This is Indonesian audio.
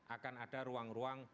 akan ada ruang ruang